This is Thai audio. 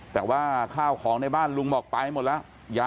แต่ว่าข้าวของในบ้านลุงบอกไปหมดแล้ว